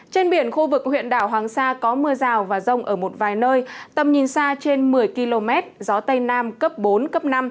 trên biển khu vực huyện đảo hoàng sa có mưa rào và rông ở một vài nơi tầm nhìn xa trên một mươi km gió tây nam cấp bốn cấp năm